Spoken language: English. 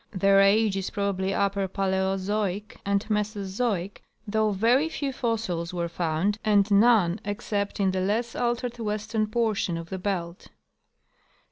Their age is probably upper Paleozoic and Mesozoic, though very few fossils were found and none except in the less altered western portion of the belt.